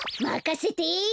まかせて！